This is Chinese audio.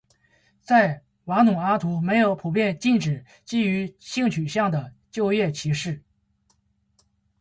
在瓦努阿图没有普遍禁止基于性取向的就业歧视。